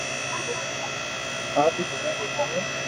آپ ھي ھڻاو وي لي ھي